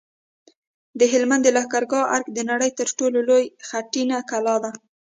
د هلمند د لښکرګاه ارک د نړۍ تر ټولو لوی خټین کلا ده